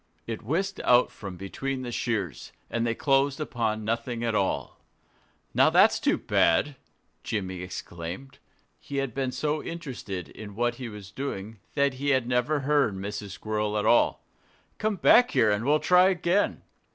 It whisked out from between the shears; and they closed upon nothing at all. "Now, that's too bad!" Jimmy exclaimed. He had been so interested in what he was doing that he had never heard Mrs. Squirrel at all. "Come back here and we'll try again."